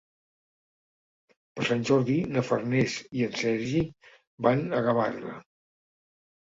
Per Sant Jordi na Farners i en Sergi van a Gavarda.